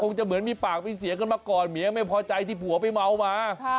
จะเหมือนมีปากมีเสียงกันมาก่อนเมียไม่พอใจที่ผัวไปเมามา